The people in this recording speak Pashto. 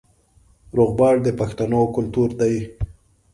روغبړ د پښتنو کلتور دی